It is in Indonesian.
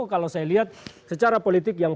kalau saya lihat secara politik yang